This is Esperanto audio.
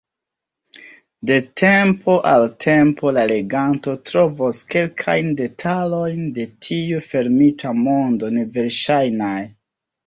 De tempo al tempo la leganto trovos kelkajn detalojn de tiu fermita mondo neverŝajnaj.